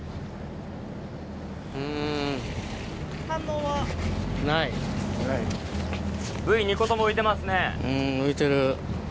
うん浮いてる。